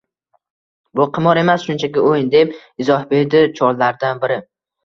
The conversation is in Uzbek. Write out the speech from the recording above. Bu qimor emas, shunchaki o‘yin, deb izoh berdi chollardan biri